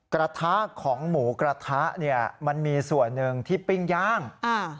กระทะของหมูกระทะเนี่ยมันมีส่วนหนึ่งที่ปิ้งย่างอ่า